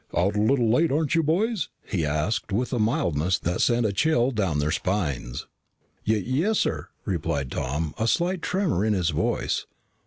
"Out a little late, aren't you, boys?" he asked with a mildness that sent a chill down their spines. "Y yes sir," replied Tom, a slight tremor in his voice.